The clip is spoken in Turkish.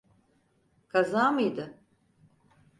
Kaza mıydı?